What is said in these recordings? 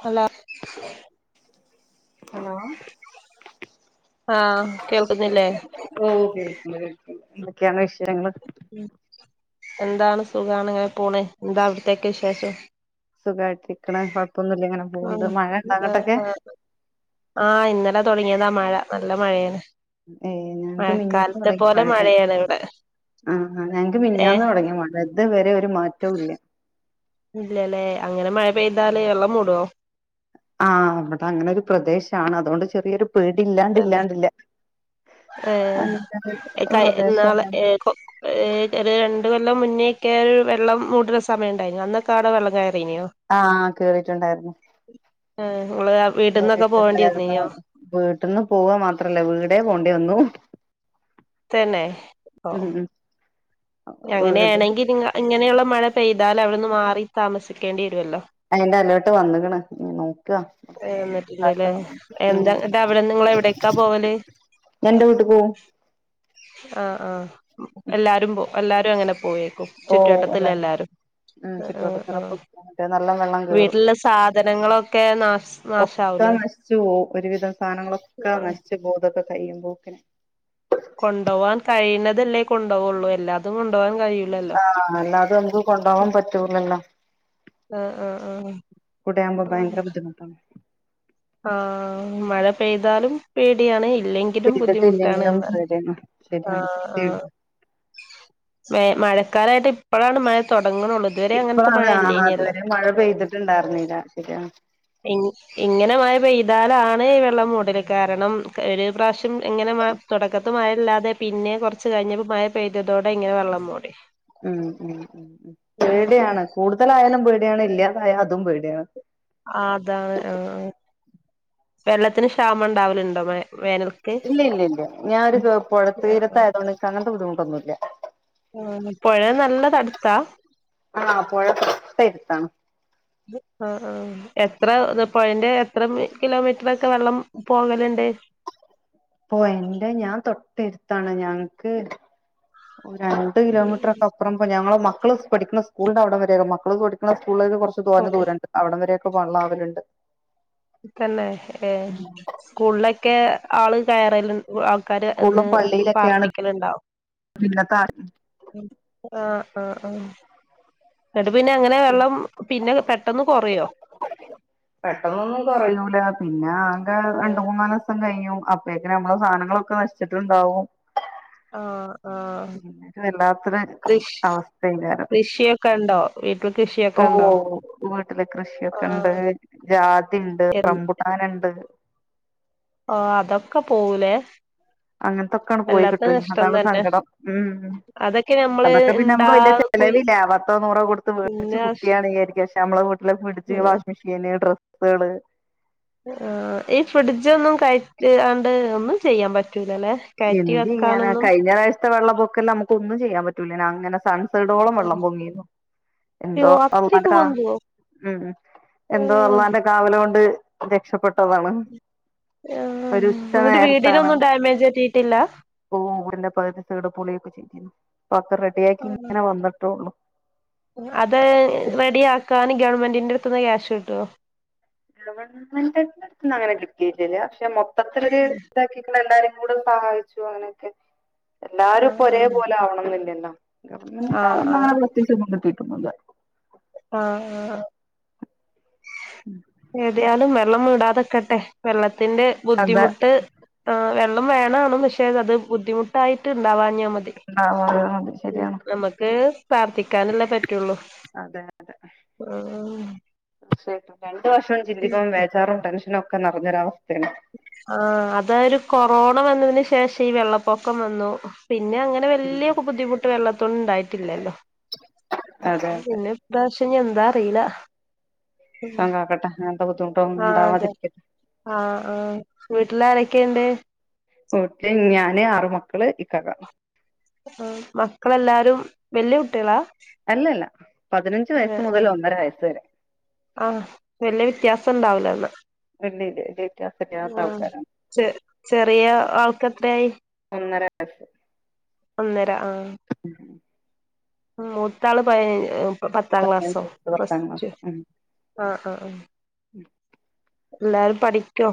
Hello hello ആഹ് കേൾക്കുന്നില്ലേ ഓഹ് കേൾക്ക്ണ്ട് കേൾക്ക്ണ്ട് എന്തൊക്കെയാണ് വിഷയങ്ങള് ഉം എന്താണ് സുഖാണ് ഇങ്ങനെ പോണ് എന്താവിടത്തേക്കെ വിശേഷം സുഖായിട്ട് ഇരിക്ക്ണ് കൊഴപ്പൊന്നുല്ല ഇങ്ങനെ ഉം പോവുന്നുണ്ട് മഴണ്ടോ അങ്ങോട്ടൊക്കെ ആഹ് ഇന്നലെ തുടങ്ങിയതാ മഴ നല്ല മഴയാണ് ഏ ഞങ്ങക്ക് മഴക്കാലത്തെ പോലെ മഴയാണ് ഇവിടെ ആഹ് ഞങ്ങക്ക് മിഞ്ഞാന്ന് ഏഹ് തൊടങ്ങ്യ മഴെ. ഇത് വരെ ഒരു മാറ്റവും ഇല്ല. ഇല്ലലെ അങ്ങനെ മഴ പെയ്താല് വെള്ളം മൂടൊ. ആഹ് ഇബെടെ അങ്ങനെ ഒരു പ്രദേശാണ്. അതുകൊണ്ട് ചെറിയൊരു പേടി ഇല്ലാണ്ട് തന്നെ ഇല്ലാണ്ട് ഇല്ല. ഏഹ് [unintelligible] കയ് ന്നാളെ പ്രദേശാണ് ഏഹ് കൊ ഏ ഒരു രണ്ട് കൊല്ലം മുന്നേക്കെ ഒരു വെള്ളം മൂടുന്ന സമയം ഇണ്ടായ്നൊ. അന്നൊക്കെ അവടെ വെള്ളം കയറീന്യാെ. ആഹ് കേറീട്ടുണ്ടായിരുന്നു. ആ ഇങ്ങള് വീട്ട്ന്നൊക്കെ പോകേണ്ടി വന്നീനോ. വീട്ട്ന്ന് പോവാ മാത്രല്ല. വീടെ പോണ്ടി വന്നു. തന്നെ ഓ. ഉം ഉം വീട് അങ്ങനേണെങ്കി പിന്നെ ഇങ്ങനെയുള്ള മഴ പെയ്താല് അവിട്ന്ന് മാറി താമസിക്കേണ്ട്യേര്വല്ലൊ. അയിന്റെ അലോട്ട് വന്ന്ക്ണ് ഇനി നോക്ക [unintelligible] നിങ്ങള് എവിടേക്കാ പോവല് ഞാൻ ഇന്റെ വീട്ട്ക്ക് പോവും. ആഹ് ആഹ്. എല്ലാരും പോ എല്ലാരും അങ്ങനെ പോവേക്കും പോവും അല്ലെ ചുറ്റുവട്ടത്തില്ലെല്ലാരും. ഉം ആഹ് ആഹ് ചുറ്റുവട്ടത്തിനൊക്കെ മറ്റേ നല്ല വെള്ളം കേറും വീട്ടില്ള്ള സാധനങ്ങളൊക്കെ നാശ് നാശാവുലെ. ച്ചു പോവും. ഒരു വിധം സാനങ്ങളൊക്കെ നശിച്ച് പോവും. ഇതൊക്കെ കയ്യുമ്പോക്കിന് കൊണ്ടോവാൻ കഴിയുന്നതല്ലേ കൊണ്ടോവൊള്ളു. എല്ലാതും കൊണ്ടോവാൻ കഴിയ ആഹ് അല്ലാതെ എന്തും കൊണ്ടോവാൻ പറ്റൂലല്ലൊ. ആഹ് ആഹ് ആഹ് കുടെ ആവുമ്പോ ആഹ് ഭയങ്കര ബുദ്ധിമുട്ടാണ്. ആഹ് മഴ പെയ്താലും പേടിയാണ് ഇല്ലെ ഇലും ബുദ്ധിമുട്ടാണ് പെയ്തിട്ടില്ലെങ്കിലും അർഞ്ഞാ പേടിയാണ് ആ ശരിയാണ് ആഹ്. സത്യായിട്ട് മ മഴക്കാലായിട്ട് ഇപ്പളാണ് മഴ തൊടങ്ങ്ണൊള്ള ഇപ്പളാണ് ആ അതുവരെ മഴ പെയ്തിട്ടുണ്ടാർന്നില്ല. ശെരിയാണ് എന്നി. ഇങ്ങനെ മഴ പെയ്താലാണ് ഈ വെള്ളം മൂടല്. കാരണം ഒരു പ്രാവശ്യം ഇങ്ങനെ തൊടക്കത്ത് മഴ ഇല്ലാതെ പിന്നെ കൊർച്ച് കഴിഞ്ഞപ്പം മഴ പെയ്തതോടെ ഇങ്ങനെ വെള്ളം മൂടി. ഉം ഉം ഉം പേടിയാണ്. കൂടുതലായാലും പേടിയാണ്. ഇല്ലാതായാ അതും പേട്യാണ്. ആഹ് അതാണ് ആ ആ വെള്ളത്തിന് ക്ഷാമം ഇണ്ടാവല്ണ്ടോ മഴ വേനൽ ഇല്ല ഇല്ല ഇല്ല ഞാനൊരു ആഹ് പുഴത്തീരത്തായതോണ്ട് ഇൻക്ക് അങ്ങൻത്തെ ബുദ്ധിമുട്ടൊന്നുല്ല. ആഹ് പൊഴ നല്ല തട്ത്താ ആഹ് പൊഴ തൊട്ടെര്ത്താണ്. ആഹ് ആഹ് എത്ര പൊയൻ്റെ എത്ര കിലോമീറ്റർ ഒക്കെ വെള്ളം പോവല്ണ്ട്. പൊയെന്റെ ഞാൻ തൊട്ട എര്ത്താണ് ഞങ്ങക്ക് ഒര ട്ട് കിലോമീറ്റർക്കെ അപ്പൊറം ഞങ്ങളെ മക്കള് പഠിക്ക്ണ സ്കൂള്ൻ്റെ അവ്ടെം വരെ മക്കള് പഠിക്ക്ണ സ്കൂള് കൊർച്ച് തോനെ ദൂരണ്ട് അവിടം വരെയൊക്കെ വള്ളാവല്ണ്ട്. തന്നെ ഏ സ്കൂളിലൊക്കെ ആള് കയറല് ആൾക്കാര് സ്കൂളും എന്ന് പള്ളിയിലൊക്കെയാണ് പാർപ്പിക്കലുണ്ടാ? പിന്നത്തെ ആഹ് ആഹ് ആഹ് ഇന്നട്ട് പിന്നെ അങ്ങനെ ആശുപത്രി. വെള്ളം പിന്നെ പെട്ടെന്ന് കൊറ്യാേ? പെട്ടെന്നൊന്നും കൊറയൂല. പിന്നെ ആകെ രണ്ട് മൂന്നാലോസം കഴിയും അപ് പ്പേക്കെന്നെ നമ്മളെ സാനങ്ങളൊക്കെ നശിച്ചിട്ടുണ്ടാവും. ആഹ് ആഹ് പിന്നൊരു വല്ലാത്തരു കൃഷി അവസ്ഥേക്കാ രം. ഈപ്പം കൃഷിയൊ ഓഹ് വീട്ടില് കൃഷിയൊക്കെണ്ട് ആഹ് ജാതി ണ്ട് എൻ റമ്പു ട്ടാനിണ്ട് ഓ അതൊക്കെ പോവൂലേ [inaudible] അങ്ങത്തൊക്കങ്ങട് പോയി വല്ലാത്ത കിട്ടും നഷ്ടം അതാണ് തന്നെ സങ്കടം ഉം അതൊക്കെ നമ്മള് അതൊക്കെ പിന്നെ ഇണ്ടാ നമുക്ക് വല്യ ചെ കുയി ചെലവില്ല പത്തോ നൂറോ കൊടുത്ത് മേടിച്ച് പിന്നെ ആഹ് കുട്ടിയാണ് വിചാരിക്ക നമ്മളെ വീട്ടില് ഫ്രിഡ്ജ് വാഷിഗ് മെഷീന് ഡ്രെസ്സുകള് ഈ ഫ്രിഡ്‌ജൊന്നും കയിച്ച് ആണ്ട് ഒന്നും ചെയ്യാൻ പറ്റൂലല്ലേ കയറ്റി എന്ത് ചെയ്യാന വെക്കാനൊന്നും കഴിഞ്ഞ പ്രാവശ്യത്തെ വെള്ള പൊക്കെല്ലാം നമുക്ക് ഒന്നും ചെയ്യാൻ പറ്റൂലേനു അങ്ങനെ സൻ ടോളം ആഹ് വെള്ളം പൊങ്ങിനു എന്തോ യ്യോ അത്രക്ക് അള്ളാന്റെ ആ പൊന്തുവോ ഉം എന്തോ ആഹ് അള്ളാന്റെ കാവല് കൊണ്ട് രക്ഷപ്പെട്ടതാണ് ആഹ് ഒരു ഉച്ച ങ്ങടെ വീടിനൊന്നും ഡാമേജ് പറ്റിട്ടില്ല ഓ വീടിന്റെ പകുതി സായ്ഡ് പൊളിയൊക്കെ ചെയ്തിരുന്നു ഇപ്പൊക്കെ റെഡിയാക്കി ആഹ് ഇങ്ങനെ വന്നിട്ടോള്ളൂ അത് റെഡി ആക്കാന് ഗവൺമെന്റിന്റെടുത്ത്ന്ന് ക്യാഷ് കിട്ടുവോ ഗവൺമെന്റട്ത്ത് ന്ന് അങ്ങനെ കിട്ടിട്ടില്ല പക്ഷെ മൊത്തത്തിലോര് ഇതാക്കി എല്ലാരും കൂടെ സഹായിച്ചു അങ്ങനെയൊക്കെ എല്ലാരുംഇപ്പൊ ഒരേ ആഹ് പോലെ ആവണം ന്നില്ലല്ലോ ഗവൺമെന്റ് ആഹ് അവിടുന്ന് ആഹ് അങ്ങനെ പ്രത്യേകിച്ചോന്നും കിട്ടിട്ടൊന്നുമില്ല ആഹ് ആഹ് എവിടായാലും വെള്ളം കൂടാതിക്കട്ടെ വെള്ളത്തിന്റെ അതെ ബുദ്ധിമുട്ട് ആ വെള്ളം വേണെണം പക്ഷേ അത് ബുദ്ധിമുട്ടായിട്ട് ഇണ്ടാവാഞ്ഞ മതി ഉണ്ടാവാതെ ഉം ശരിയാണ് നമക്ക് പ്രാർത്ഥിക്കാനല്ലേ പറ്റുള്ളൂ അതെ ഉം തീർച്ചയായിട്ടും രണ്ടു വഷവും ചിന്തിക്കുമ്പോ വേചാറും ടെൻഷനും ഒക്കെ നിറഞ്ഞൊരവസ്ഥയേണ് ആഹ് അതാ ഒരു കൊറോണ വന്നതിന് ശേഷം ഈ വെള്ളപ്പൊക്കം വന്നു പിന്നെ അങ്ങനെ വല്യ ബുദ്ധിമുട്ട് വെള്ളത്തോണ്ട് ഇണ്ടായിട്ടില്ലല്ലോ അതെ അതെ പിന്നെ ഇപ്രാവശ്യെനി എന്താ അറില പടചോൻ കാക്കട്ടെ അങ്ങനത്തെ ബുദ്ധിമുട്ട് ആഹ് അതെ ആഹ് ആഹ് വീട്ടിലാരൊക്കെയിണ്ട് വീട്ടില് ഞാന് ആറ് മക്കള് ഇക്കാക്ക ആഹ് മക്കളെല്ലാരും വല്യ കുട്ട്യളാ അല്ലല്ല പതിനഞ്ച് വയസ് മുതൽ ഒന്നര വയസ് വരെ ആഹ് വെല്യ വ്യത്യാസം ഉണ്ടാവൂലെന്ന ഇല്ല ഇല്ല വലിയ വ്യത്യാസം ഇല്ല ആഹ് ചെ ചെറിയ ആൾക്കെത്രയായി ഒന്നര വയസ് ഒന്നര ആഹ് [inaudible] മുത്താള് പ പത്താം ക്ലാസ്സോ വയസ്സ് പ്ലസ് പത്താം ടു ക്ലാസ് ഉം ആഹ് ആഹ് ആഹ് എല്ലാരും പഠിക്കൊ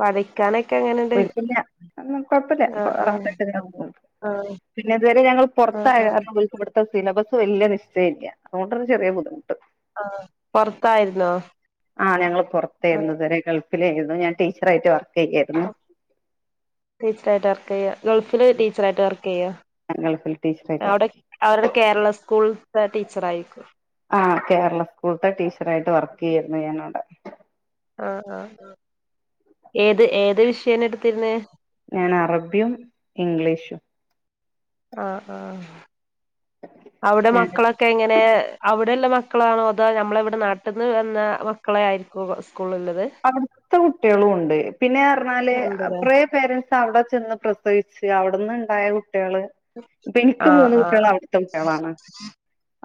പഠി കാനെക്കെങ്ങനെ കൊയപ്പില്ല കാരണം കൊഴപ്പില്ല ആഹ് റാഹത്തായിട്ട് ഇങ്ങനങ്ങ് പോകുന്നു ആഹ് പിന്നെ ഇതുവരെ ഞങ്ങൾ ആഹ് ആഹ് പുറത്തായകാരണ ഇബൽക്ക് ഇവടെ ഇപ്പ സിലബസ് വലിയ നിശ്ചയമില്ല അതുകൊണ്ട് ഒരു ചെറിയ ബുദ്ധിമുട്ട് ആഹ് പൊറത്തായിരുന്നോ ആ ഞങ്ങള് പൊറത്താരുന്നു ആഹ് ഇതുവരെ ഗൾഫ് ഫിലായിരുന്നു ഞാൻ ടീച്ചറായിട്ട് വർക്കുചെയ്യുവായിരുന്നു ടീച്ചറായിട്ട് വർക്ക് ചെയ്യുക ഗൾഫില് ടീച്ചറായിട്ട് വർക്ക് ചെയ്യുവാ ഞാൻ ഗൾഫില് ടീച്ചറായിട്ട് വർക്കുചെയ്യ അവരുടെ കേരള സ്കൂളിൽത്തെ ടീച്ചറായിരിക്കും ആ കേരള സ്കൂൾത്തെ ടീച്ചറായിട്ട് വർക്ക് ചെയ്യുവായിരുന്നു ഞാനവിടെ ആ ആ ആ ഏത് ഏത് വിഷയാണ് എടുത്തിരുന്നെ ഞാൻ അറബിയും ഇംഗ്ലീഷും ആ ആ അവിടെ ഞാൻ മക്കളൊ ക്കെ എങ്ങനെയാ അവിടെയൊള്ള മക്കളാണോ അതൊ നമ്മളെ ഇവിടെ നാട്ടിന്നുവന്ന മക്കളെ ആയിരിക്കുമോ സ്കൂളിലൊള്ളത് അവിടുത്തെ കുട്ടികളും ഒണ്ട് പിന്നെറഞ്ഞാല് ഉണ്ട്ല്ലേ കുറെ പേരൻറ്സ് അവിടെ ചെന്നു പ്രസവിച്ച് അവിടന്ന് ഉണ്ടായ കുട്ടികള് ഇപ്പൊ എനിക്ക് ആഹ് ആഹ് മൂന്നുകുട്ടികള് അവിടത്തെ കുട്ടികളാണ്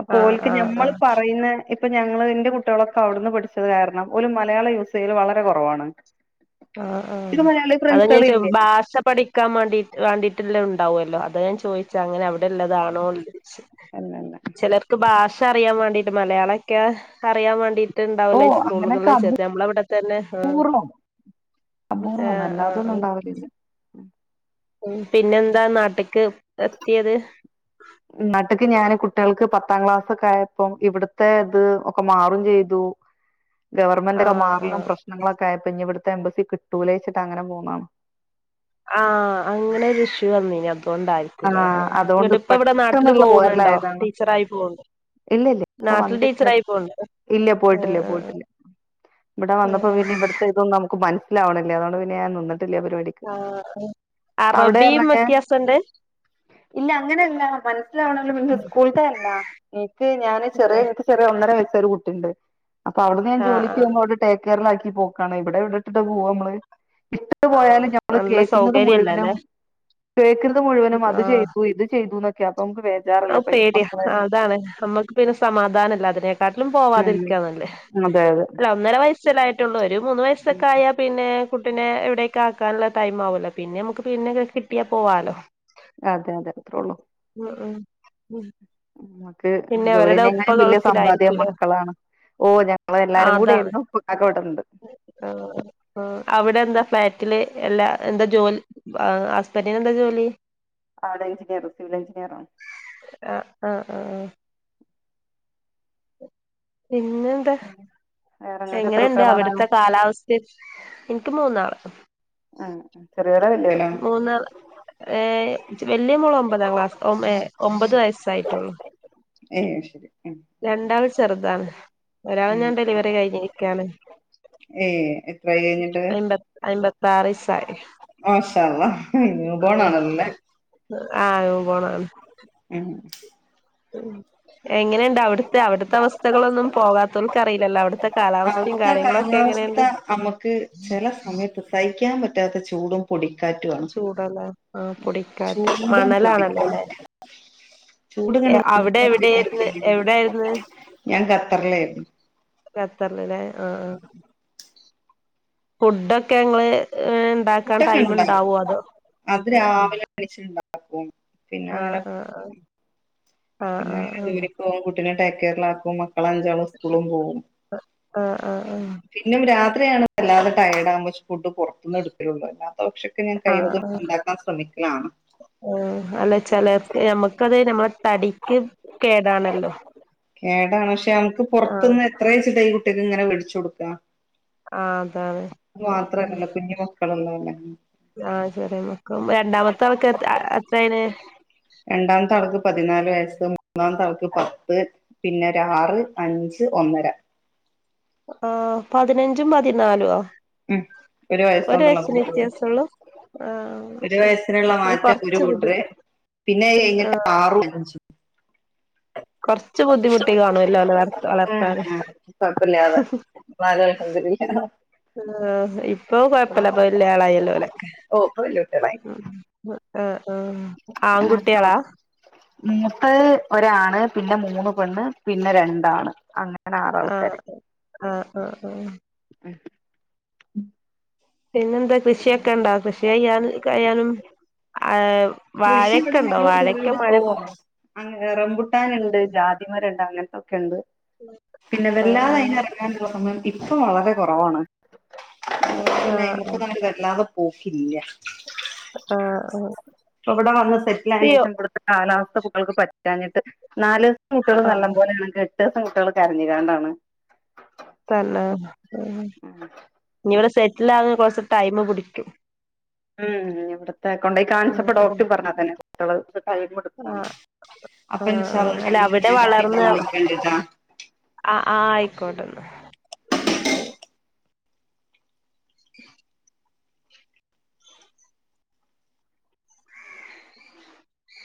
അപ്പോ ആഹ് ഓൽക്ക് ആഹ് ഞമ്മള് ആഹ് പറയുന്ന ഇപ്പൊ ഞങ്ങൾ എന്റെ കുട്ടികളൊക്കെ അവിടന്ന് പഠിച്ചതുകാരണം ഒല് മലയാളം യൂസ്ചെയ്യല് വളരെ കൊറവാണ്. ആ ആ അതാ ഞാൻ ചോ ഇല്ല ബാഷ പഠിക്കാൻ വേണ്ടി വേണ്ടിട്ടുള്ള ഉണ്ടാവുമല്ലോ അതാ ഞാൻ ചോദിച്ചെ അങ്ങനെ അവിടെയുള്ളതാണോന്ന് അല്ലല്ല ചിലർക്ക് ബാഷ അറിയാൻ വേണ്ടിട്ട് മലയാളലൊക്കെ അറിയാൻ വേണ്ടി ഓ ട്ടൊണ്ടാവില്ലേ ഈ അങ്ങനെയൊക്കെ സ്കൂളുകളിചേർത്ത് നമ്മളവിടെ തന്നെ ആ അപൂർവം അപൂർവം ആ അല്ലാതൊന്നും ഉണ്ടാവല്ലിത് ഉം പിന്നെന്താ നാട്ടിക്ക് എത്തിയത് നാട്ട്ക്കുഞാന് കുട്ടികൾക്ക് പത്താം ക്ലാസൊക്കെയായപ്പം ഇവിടത്തെ ഇത് ഒക്കെ മാറും ചെയ്തു. ഗവൺമെൻറ് ഒക്കെ ആഹ് മാറലും ആഹ് പ്രശ്നങ്ങളൊക്കെ ആയപ്പോ ഇനി ഇവിടുത്തെ എംബസി കിട്ടൂലേന്നു വെച്ചിട്ടങ്ങനെ പോന്നതാണ് ആ അങ്ങനൊരു ഇഷ്യു വന്നേനി അതുകൊണ്ടായി രിക്കൂലേ ആ ആഹ് അതുകൊണ്ട് എന്നിട്ടിപ്പ ഇവിടെ നാട്ടില് പെട്ടെന്നുള്ള പോകുന്നുണ്ടോ പോരലായതാണ് ടീച്ചറായിട്ട് പോവണ്ടോ ഇല്ല ഇല്ല ഇപ്പൊ നാട്ടിൽ വന്നിട്ട് ടീച്ചറായി പോവണ്ട് ഇല്ല ആ പോയിട്ടില്ല ആ പോയിട്ടില്ല ഇവിടെ വന്നപ്പോ പിന്നെ ഇവിത്തെ ഇതൊന്നും നമുക്ക് മനസിലാവണില്ല അതുകൊണ്ട് പിന്നെ ഞാൻ നിന്നിട്ടില്ല പരിപാടി ആ അറബിയും വ്യത്യാസം ഉണ്ട് ഇല്ല അങ്ങനെയല്ല മനസ്സിലാവണെങ്കില് പിന്നെ സ്കൂളിൾത്തെ എന്നാ എനിക്ക് ഞാന് ചെറിയ ആഹ് ചെറിയ ഒന്നരവയസ്സായ ഒരു കുട്ടിണ്ട് അപ്പ അവിടന്ന് ഞാൻ ജോലിക്കു ആഹ് പോകുമ്പോ അവിടെ ഡേകെയറിലാക്കി പോക്കാണ് ഇവിടെ എവിടെയിട്ടിട്ടാ പോവാ മ്മള് ഇട്ടിട്ടു ആഹ് പോയാലും ഞമ്മള് നല്ല കേക്കുന്നത് മുഴുവനും സൗകര്യല്ലല്ലേ കേക്കു ന്നതുമുഴുവനും അത് ആ ചെയ്തു ഇതുചെയ്തു എന്നൊക്കെയാ അപ്പൊ നമുക്കു പേടിയാ അതാണ് നമ്മുക്ക് പിന്നെ സമാധാനമില്ല അതിനേക്കാട്ടിലും പോവാതിരിക്കാ ഉം നല്ലെ അതെ അതെ അല്ല ഒന്നര വയസ്സല്ലേ ആയിട്ടൊള്ളു ഒരു മൂന്നുവയസ്സൊക്കെ ആയാ പിന്നെ കുട്ടിനെ ഇവിടേക്ക് ആക്കാനുള്ള ടൈമാവുവല്ലോ പിന്നെ നമുക്ക് പിന്നെ കിട്ടിയാ പോവാലോ അതെ അതെ അത്രേള്ളൂ ഉം ഉം ഉം നമുക്ക് പിന്നെ അവരുടെ ഉപ്പ ജോലിനേക്കാളും വലൃ സമ്പാദ്യം ഗൾഫിലായിരിക്കൂലേ മക്കളാണ് ഓ ഞങ്ങള് ആ എല്ലാരും അതാണ് കൂടെയായിരുന്നു ഇപ്പ കാക്ക ഇവിടൊണ്ട് ആ ആ അവിടെയെന്താ ഫ്ലാറ്റില് എല്ലാ എന്താ ജോലി വാഹ് ഹസ്ബന്റിന് എന്താ ജോലി അവിടെ എഞ്ചിനീയർ സിവിൽ എഞ്ചിനീയർ ആണ് ആഹ് ആഹ് ആഹ് പിന്നെ എന്താ വേറെ നിങ്ങൾക്ക് എത്ര എങ്ങനെയുണ്ട് കുട്ടികളാണ് അവിടുത്തെ കാലാവസ്ഥ എനിക്ക് മൂന്നാള് ആഹ് ആഹ് മൂന്നാള് ഏഹ് വല്യ മോള് ഒമ്പതാം ക്ലാസ് ഏഹ് ഒമ്പത് വയസ്സായിട്ടുള്ളൂ ഏയ് അയ് ശരി ഉം രണ്ടാള് ചെറുതാണ് ഒരാള് ഉം ഞാൻ ഡെലിവറി കഴിഞ്ഞിരിക്കയാണ് ഏ എത്രായി കഴിഞ്ഞിട്ട് അയ്മ്പത്തി അയ്മ്പത്താറിസായി മാഷാ അള്ളാ ന്യൂ ബോണാണല്ലല്ലേ ആഹ് ന്യൂ ബോണാണ് ഉം ഉ എങ്ങനെയണ്ട് അവിടുത്തെ അവിടുത്തെ അവസ്ഥകളൊന്നും പോകാത്തവർക്ക് അറിയില്ലല്ലോ അവിടുത്തെ കാലാവസ്ഥയും അവിടുത്തെ കാര്യങ്ങളൊക്കെ കാലാവസ്ഥ എങ്ങനെയുണ്ട് നമ്മുക്ക് ചില സമയത്ത് സഹിക്കാൻ പറ്റാത്ത ചൂടും പൊടിക്കാറ്റും ആണ് ചൂടല്ലേ ആഹ് പൊടിക്കാറ്റ് ചൂടും മണലാണല്ലോ അല്ലെ പൊടിക്കാറ്റും ചൂട് കണ്ട് അവിടെ വന്നാ പിന്നെ എവിടെയായിരുന്നു എവിടെയാണ് എവിടൊയിരുന്ന് ഞാൻ ഖത്തറിലായിരുന്നു ഖത്തറീല്ലേ ആഹ് ആഹ് ഫുഡൊക്കെ ഇങ്ങള് ഇണ്ടാക്കാൻ ഫുഡൊക്കെ ടൈമ് ഇണ്ടാവോ അതോ [unintelligible] ണ്ടാക്കും ആഹ് ആഹ് ആഹ് പിന്നെ ആഹ് ആഹ് ജോലിക്ക് പോകും കുട്ടിനെ ടേക്ക് കെയറിലാക്കും മക്കള അഞ്ചാളും സ്ക്കൂളും പോവും ആഹ് ആഹ് ആഹ് പിന്നും രാത്രിയാണ് വല്ലാതെ ടയേഡ് ആകുമ്പോക്ഷെ ഫുഡ് പുറത്തനിന്ന് എടുക്കലുള്ളൂ അല്ല കുറച്ചൊക്കെ ഞാൻ കൈവതും ആഹ് ആഹ് ഉണ്ടാക്കാൻ ശ്രമിക്കലാണ് അതെ നമ്മള തടിക്ക് കേടാണല്ലോ കേടാണ് പക്ഷെ നമുക്ക് ആഹ് പൊറുത്തൂന്ന് എത്ര ചിട്ട ഈ കുട്ടികക്ക് ഇങ്ങനെ വേടിച്ചു കൊടുക്കാ ആഹ് അതാണ് ആഹ് ആഹ് മാത്രല്ല കുഞ്ഞു മക്കളുള്ളല്ലേ ആഹ് ചെറിയ മക്കളും രണ്ടാമത്തെ അവക്ക് എത്ര ആയേന് രണ്ടാമത്തെ ആൾക്ക് പതിനാല് വയസ്സ് മൂന്നാമത്താൾക്ക് പത്ത് പിന്നെ ഒരു ആറ് അഞ്ച് ഒന്നര ആഹ് പതിനഞ്ചും പതിനാലും ആഹ് ഉം ഒരു വയസ്സ കൊണ്ടുള്ള വ്യത്യാസൊള്ളൂ ആഹ് ഒരു ശരി വയസിനുള്ള അത് മാറ്റം ഒരു കൊറച്ച് ബുദ്ധി കൂട്ടര് പിന്നെ കഴിഞ്ഞിട്ട് ആഹ് ആറും അഞ്ചും കൊറച്ച് ബുദ്ധിമുട്ടി ഉം കാണുവല്ലോ ഓലെ വളർ ഉം വളർത്താന് കുഴപ്പില്ലാതെ എന്നാലും അൽഹംദുലില്ലാഹ് ആഹ് ഇപ്പൊ കൊഴപ്പില്ല വലിയാളായില്ലോലൊക്കെ ഓ ഇപ്പൊ വല്യ കുട്ടികളായി ആഹ് ആഹ് ആൺകുട്ടികളാ മൂത്തത് ഒരാണ് പിന്നെ മൂന്ന് പെണ്ണ് പിന്നെ രണ്ടാണ് അങ്ങനെ അങ്ങനെ ആറ് ആഹ് ആൾക്കാര് ആഹ് ആഹ് ആഹ് ഉം പിന്നെന്താ കൃഷിയൊക്കെ ഇണ്ടാ കൃഷി് കൊയ്യാനും ആഹ് കൃഷി വാഴൊക്കെ ഇവിടെ ഉണ്ടോ ഞങ്ങൾ വാഴൊക്കെ വീട് മഴ ഓ റംപുട്ടാനുണ്ട് ജാതി ണ്ട് അങ്ങനത്തൊക്കെ ഉണ്ട് പിന്നെ വല്ലാതെ ആഹ് അയിന് ള്ള സമയം ഇപ്പ വളരെ കുറവാണ് പിന്നെ ആഹ് അയ്മക്ക് ഇങ്ങന്നെ വല്ലാതെ പോക്കില്ല ആഹ് ഉം ഇവടെ വന്ന് സെറ്റിലായേനേഷം ഇവട്ത്തെ കാലാവസ്ഥ കുട്ട്യള്ക്ക് പറ്റാഞ്ഞിട്ട് നാല് കുട്ട്യള് നല്ല ആഹ് പോലൊണെങ്കി എട്ടോസം കുട്ട്യള് കരഞ്ഞ്ങ്ങാണ്ടാണ് തന്നെ ഉം ഇഞ്ഞ് ഇവടെ സെറ്റിലാകാൻ കൊറച്ച് ടൈമ് പിടിക്കും ഉം ഇവടത്തെ കൊണ്ടേയി കാണിച്ചപ്പോ ആഹ് ഡോക്ടർ പറഞ്ഞ് അതന്നെ കുട്ടിയള് ശ്ര ടൈമ് ഇട്ക്കും ആഹ് അപ്പ ആഹ് ഇൻഷാ ആഹ് അല്ല അല്ലാഹ് അവിടെ വളർന്ന് ഞങ്ങള് [unintelligible] വിളിക്കണ്ട്ട്ടോ ആഹ് ആഹ് ആയിക്കോട്ടെന്നാ ഉ